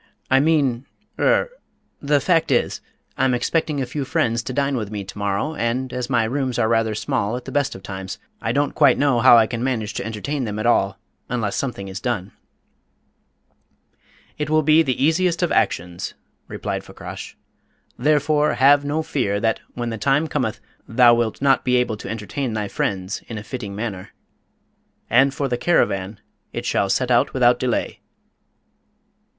I mean er the fact is, I'm expecting a few friends to dine with me to morrow, and, as my rooms are rather small at the best of times, I don't quite know how I can manage to entertain them at all unless something is done." "It will be the easiest of actions," replied Fakrash; "therefore, have no fear that, when the time cometh, thou wilt not be able to entertain thy friends in a fitting manner. And for the caravan, it shall set out without delay."